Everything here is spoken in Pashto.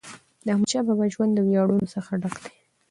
د احمدشاه بابا ژوند د ویاړونو څخه ډک و.